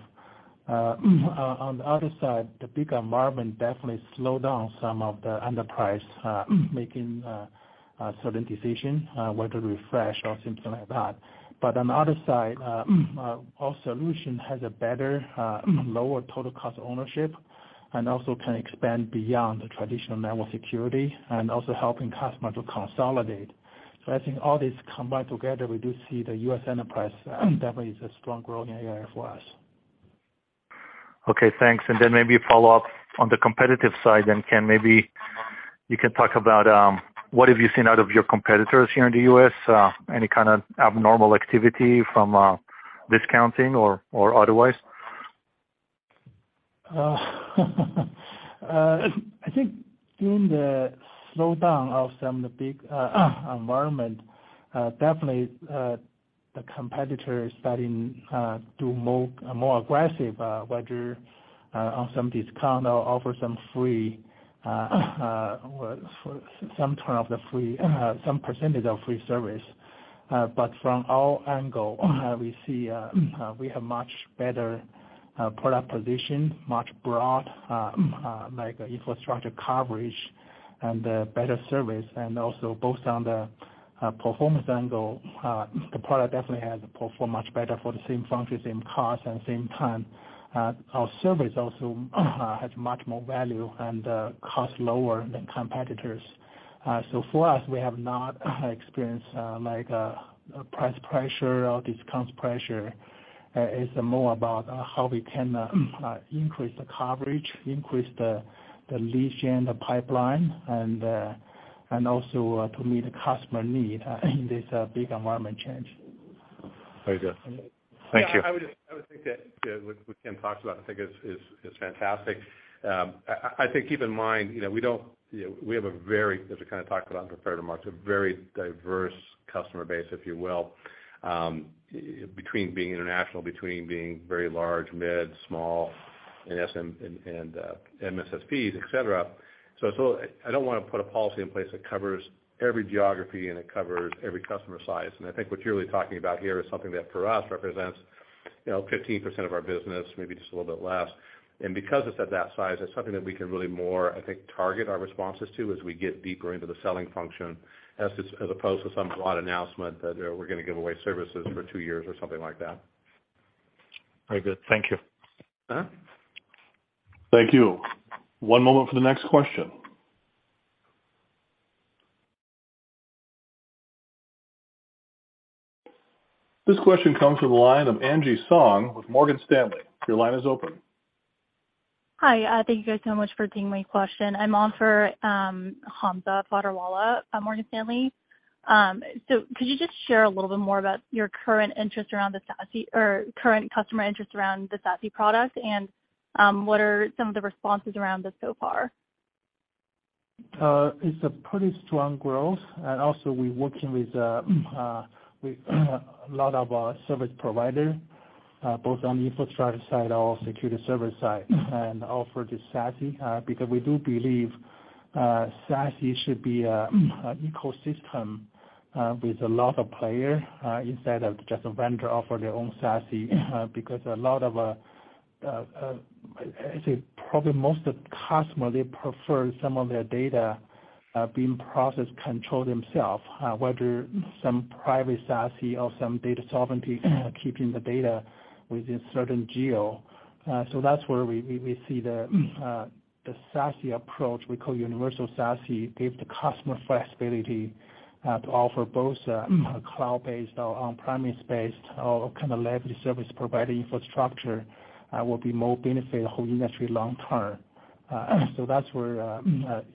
On the other side, the big environment definitely slowed down some of the enterprise making certain decisions whether to refresh or something like that. On the other side, our solution has a better lower total cost of ownership and also can expand beyond the traditional network security and also helping customer to consolidate. I think all this combined together, we do see the U.S. enterprise, definitely is a strong growth area for us. Okay, thanks. Maybe a follow-up on the competitive side then, Ken, maybe you can talk about what have you seen out of your competitors here in the U.S.? Any kind of abnormal activity from discounting or otherwise? I think during the slowdown of some of the big environment, definitely, the competitor is starting to more aggressive, whether on some discount or offer some free, some term of the free, some percentage of free service. From our angle, we see we have much better product position, much broad like infrastructure coverage and better service. Also both on the performance angle, the product definitely has performed much better for the same function, same cost and same time. Our service also has much more value and cost lower than competitors. For us, we have not experienced like a price pressure or discount pressure. It's more about how we can increase the coverage, increase the lead gen, the pipeline, and also to meet the customer need in this big environment change. Very good. Thank you. Yeah, I would think that what Ken talks about I think is fantastic. I think keep in mind, you know, we don't, you know, we have a very, as we kind of talked about on the March 3rd, a very diverse customer base, if you will, between being international, between being very large, mid, small, and SM, and MSSPs, et cetera. I don't wanna put a policy in place that covers every geography, and it covers every customer size. I think what you're really talking about here is something that for us represents, you know, 15% of our business, maybe just a little bit less. Because it's at that size, it's something that we can really more, I think, target our responses to as we get deeper into the selling function as opposed to some broad announcement that, you know, we're gonna give away services for two years or something like that. Very good. Thank you. Uh-huh. Thank you. One moment for the next question. This question comes from the line of Angie Song with Morgan Stanley. Your line is open. Hi. Thank you guys so much for taking my question. I'm on for Hamza Fodderwala at Morgan Stanley. Could you just share a little bit more about your current interest around the SASE or current customer interest around the SASE product, and what are some of the responses around this so far? It's a pretty strong growth, and also we're working with a lot of our service provider, both on the infrastructure side, our security service side, and offer the SASE, because we do believe SASE should be an ecosystem with a lot of player, instead of just a vendor offer their own SASE. Because a lot of, I'd say probably most of the customer, they prefer some of their data being processed, controlled themselves, whether some private SASE or some data sovereignty, keeping the data within certain geo. So that's where we see the SASE approach, we call Universal SASE, give the customer flexibility to offer both a cloud-based or on-premise based or kind of legacy service provider infrastructure, will be more benefit the whole industry long term. That's where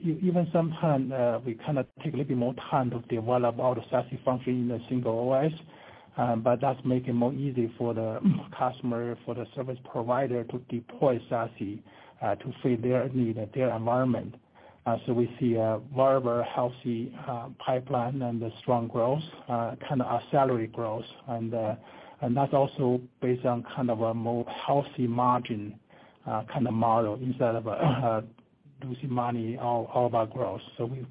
even sometime we kind of take a little bit more time to develop all the SASE function in a single OS, but that's making more easy for the customer, for the service provider to deploy SASE to fit their need and their environment. We see a very well healthy pipeline and the strong growth, kind of our salary growth. That's also based on kind of a more healthy margin, kind of model instead of losing money all about growth.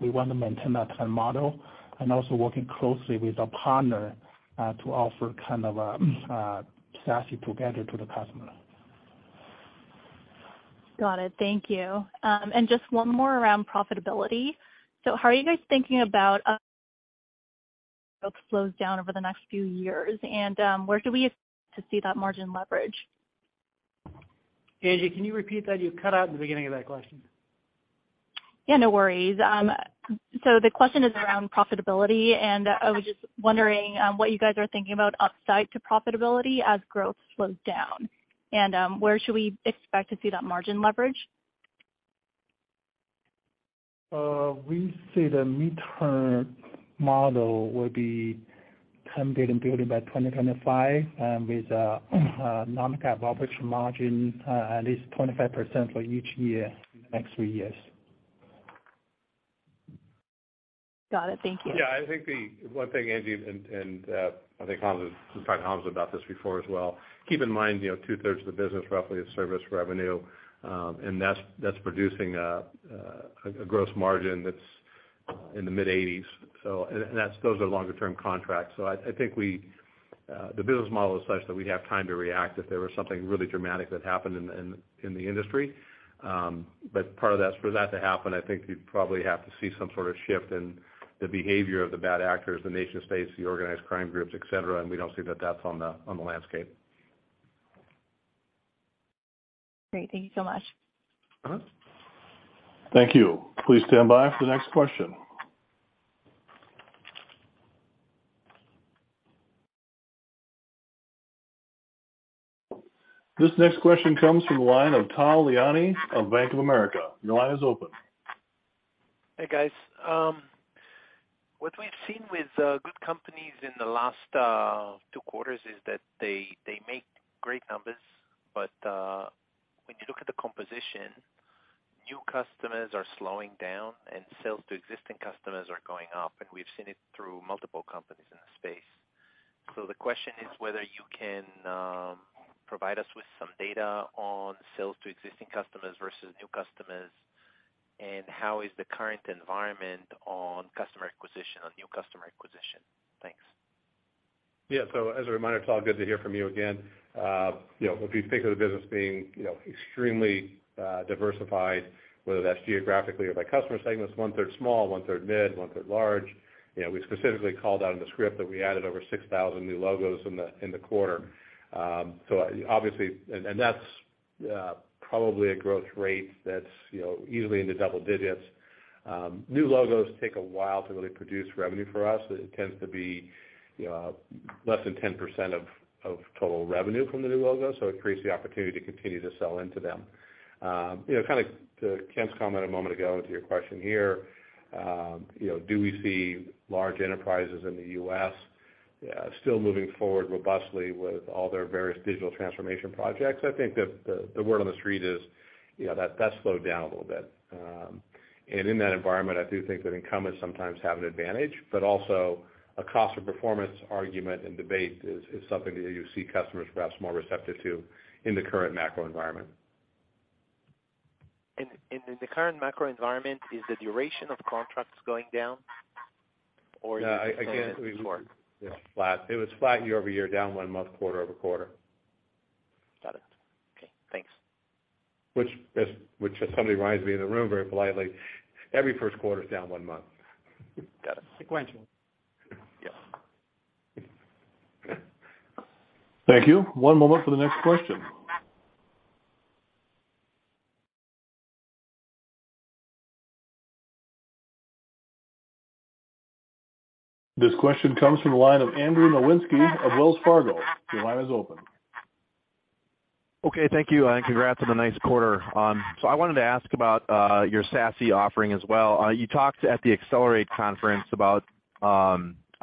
We want to maintain that kind of model and also working closely with a partner to offer kind of SASE together to the customer. Got it. Thank you. Just one more around profitability. How are you guys thinking about, slows down over the next few years, and, where do we expect to see that margin leverage? Angie, can you repeat that? You cut out at the beginning of that question. Yeah, no worries. The question is around profitability, and I was just wondering, what you guys are thinking about upside to profitability as growth slows down. Where should we expect to see that margin leverage? We see the mid-term model will be $10 billion by 2025, with a non-GAAP operation margin at least 25% for each year in the next three years. Got it. Thank you. Yeah. I think the one thing, Angie, and, I think Hamza, we've talked to Hamza about this before as well, keep in mind, you know, two-thirds of the business roughly is service revenue, and that's producing a gross margin that's in the mid-eighties. And that's, those are longer term contracts. I think we, the business model is such that we'd have time to react if there was something really dramatic that happened in, in the industry. But part of that, for that to happen, I think you'd probably have to see some sort of shift in the behavior of the bad actors, the nation states, the organized crime groups, et cetera, and we don't see that that's on the, on the landscape. Great. Thank you so much. Uh-huh. Thank you. Please stand by for the next question. This next question comes from the line of Tal Liani of Bank of America. Your line is open. Hey, guys. What we've seen with good companies in the last two quarters is that they make great numbers. When you look at the composition, new customers are slowing down and sales to existing customers are going up. We've seen it through multiple companies in the space. The question is whether you can provide us with some data on sales to existing customers versus new customers. How is the current environment on customer acquisition, on new customer acquisition? Thanks. Yeah. As a reminder, Tal, good to hear from you again. you know, if you think of the business being, you know, extremely diversified, whether that's geographically or by customer segments, 1/3 small, 1/3 mid, 1/3 large. We specifically called out in the script that we added over 6,000 new logos in the quarter. obviously and that's probably a growth rate that's, you know, easily into double digits. New logos take a while to really produce revenue for us. It tends to be, you know, less than 10% of total revenue from the new logo, so it creates the opportunity to continue to sell into them. You know, kind of to Ken's comment a moment ago and to your question here, you know, do we see large enterprises in the U.S. Yeah, still moving forward robustly with all their various digital transformation projects. I think that the word on the street is, you know, that that slowed down a little bit. In that environment, I do think that incumbents sometimes have an advantage, but also a cost of performance argument and debate is something that you see customers perhaps more receptive to in the current macro environment. In the current macro environment, is the duration of contracts going down? Or- No, again- is it more- It's flat. It was flat YoY, down one month, QoQ. Got it. Okay, thanks. Which as somebody reminds me in the room very politely, every first quarter is down one month. Got it. Sequential. Yes. Thank you. One moment for the next question. This question comes from the line of Andrew Nowinski of Wells Fargo. Your line is open. Thank you, and congrats on the nice quarter. I wanted to ask about your SASE offering as well. You talked at the Accelerate conference about, I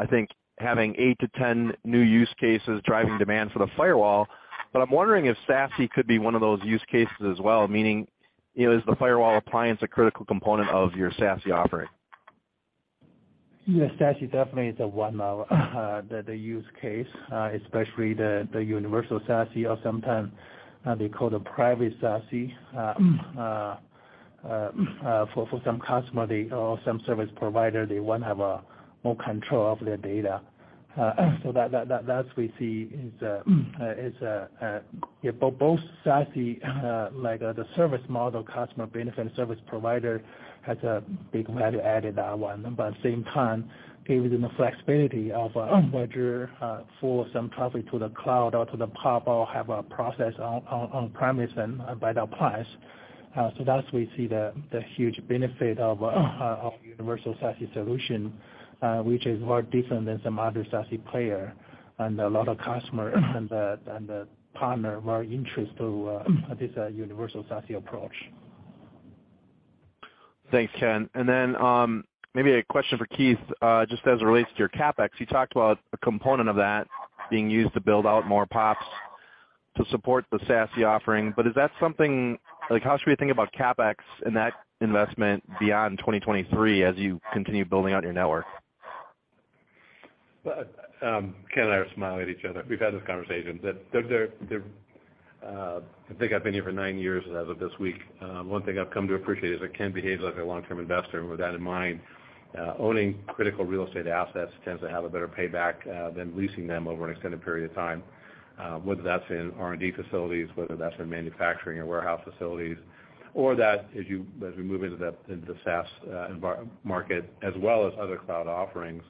think having eight-10 new use cases driving demand for the firewall. I'm wondering if SASE could be one of those use cases as well, meaning, you know, is the firewall appliance a critical component of your SASE offering? Yes, SASE definitely is a one of the use case, especially the Universal SASE or sometime they call the private SASE. For some customer, they or some service provider, they want to have more control of their data. That's we see is yeah, both SASE, like the service model customer benefit service provider has a big value-added one, but at the same time, gives them the flexibility of whether for some traffic to the cloud or to the PoP or have a process on premise and by the appliance. That's we see the huge benefit of Universal SASE solution, which is very different than some other SASE player and a lot of customers and the partner are very interested to this Universal SASE approach. Thanks, Ken. Maybe a question for Keith, just as it relates to your CapEx. You talked about a component of that being used to build out more PoPs to support the SASE offering. Like, how should we think about CapEx and that investment beyond 2023 as you continue building out your network? Well, Ken and I are smiling at each other. We've had this conversation. I think I've been here for nine years as of this week. One thing I've come to appreciate is that Ken behaves like a long-term investor. With that in mind, owning critical real estate assets tends to have a better payback than leasing them over an extended period of time, whether that's in R&D facilities, whether that's in manufacturing or warehouse facilities, or that as you, as we move into the, into the SaaS market as well as other cloud offerings,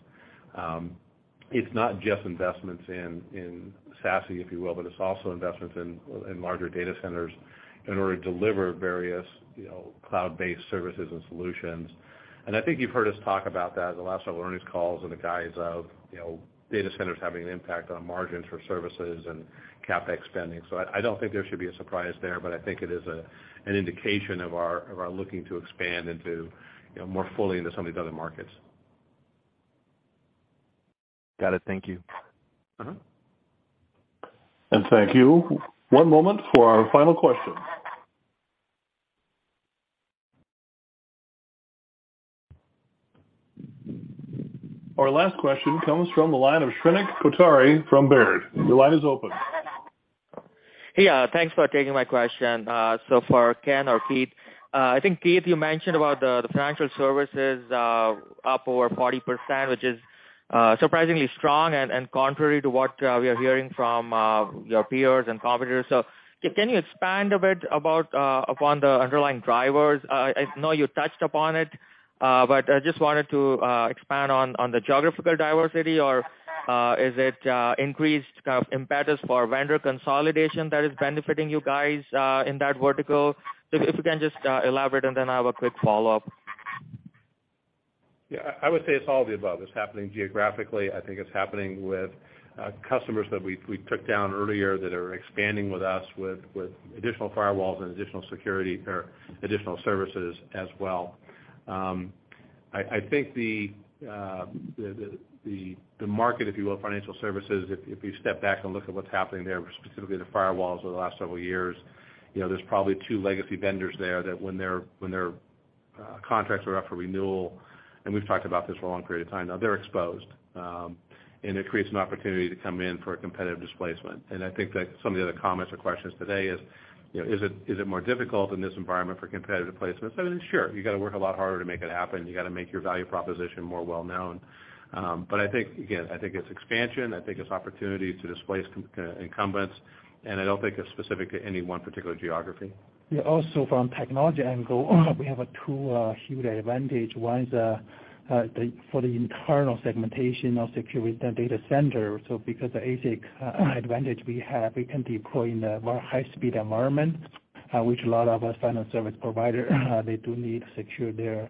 it's not just investments in SASE, if you will, but it's also investments in larger data centers in order to deliver various, you know, cloud-based services and solutions. I think you've heard us talk about that in the last several earnings calls in the guise of, you know, data centers having an impact on margins for services and CapEx spending. I don't think there should be a surprise there, but I think it is a, an indication of our, of our looking to expand into, you know, more fully into some of these other markets. Got it. Thank you. Mm-hmm. Thank you. One moment for our final question. Our last question comes from the line of Shrenik Kothari from Baird. Your line is open. Hey, thanks for taking my question. For Ken or Keith, I think Keith, you mentioned about the financial services up over 40%, which is surprisingly strong and contrary to what we are hearing from your peers and competitors. Can you expand a bit about upon the underlying drivers? I know you touched upon it, but I just wanted to expand on the geographical diversity or is it increased impetus for vendor consolidation that is benefiting you guys in that vertical? If you can just elaborate, and then I have a quick follow-up. Yeah. I would say it's all of the above. It's happening geographically. I think it's happening with customers that we took down earlier that are expanding with us with additional firewalls and additional security or additional services as well. I think the market, if you will, financial services, if you step back and look at what's happening there, specifically the firewalls over the last several years, you know, there's probably two legacy vendors there that when their contracts are up for renewal, and we've talked about this for a long period of time, now they're exposed. It creates an opportunity to come in for a competitive displacement. I think that some of the other comments or questions today is, you know, is it more difficult in this environment for competitive placements? I mean, sure, you got to work a lot harder to make it happen. You got to make your value proposition more well known. I think again, I think it's expansion. I think it's opportunity to displace incumbents, and I don't think it's specific to any one particular geography. Also from technology angle, we have a two huge advantage. One is for the internal segmentation of security data center. Because the ASIC advantage we have, we can deploy in a very high speed environment, which a lot of us financial service provider, they do need to secure their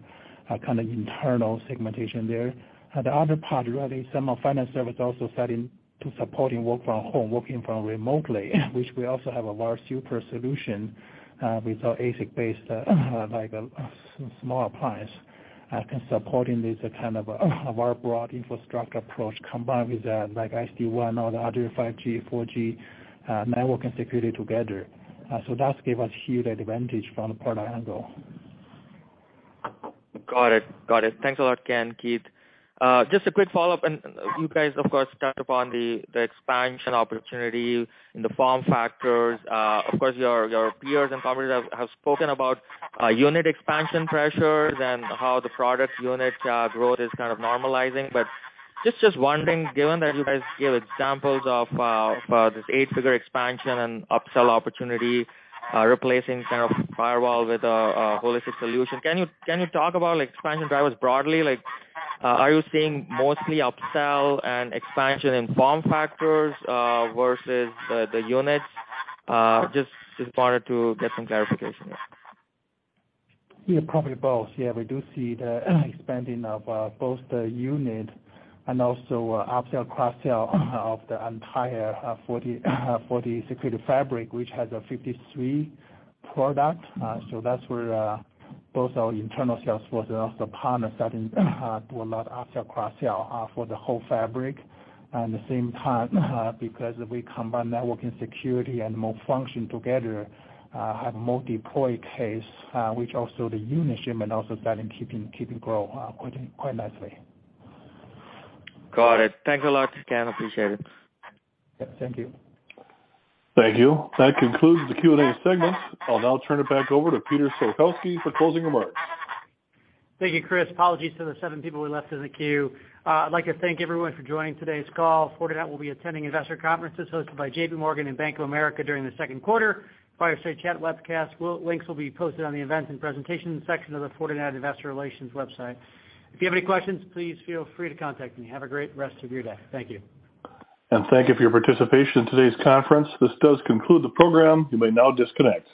kind of internal segmentation there. The other part really, some of finance service also starting to supporting work from home, working from remotely, which we also have a large super solution with our ASIC-based like a small appliance. Can supporting this kind of very broad infrastructure approach combined with like SD-WAN or the other 5G, 4G network and security together. That's give us huge advantage from the partner angle. Got it. Thanks a lot, Ken, Keith. Just a quick follow-up. You guys of course touched upon the expansion opportunity in the form factors. Of course, your peers and companies have spoken about unit expansion pressures and how the product unit growth is kind of normalizing. Just wondering, given that you guys give examples of this eight-figure expansion and upsell opportunity, replacing kind of firewall with a holistic solution, can you talk about like expansion drivers broadly? Like, are you seeing mostly upsell and expansion in form factors versus the units? Just wanted to get some clarification there. Probably both. We do see the expanding of both the unit and also upsell, cross-sell of the entire Fortinet Security Fabric, which has 53 products. So that's where both our internal sales force and also partners starting to do a lot of upsell, cross-sell for the whole fabric. The same time, because we combine networking security and more function together, have multiple case, which also the unit shipment also starting keeping grow quite nicely. Got it. Thank you a lot, Ken. Appreciate it. Yeah, thank you. Thank you. That concludes the Q&A segment. I'll now turn it back over to Peter Salkowski for closing remarks. Thank you, Chris. Apologies to the seven people we left in the queue. I'd like to thank everyone for joining today's call. Fortinet will be attending investor conferences hosted by JPMorgan Chase & Co. and Bank of America during the second quarter. Fireside chat links will be posted on the events and presentations section of the Fortinet Investor Relations website. If you have any questions, please feel free to contact me. Have a great rest of your day. Thank you. Thank you for your participation in today's conference. This does conclude the program. You may now disconnect.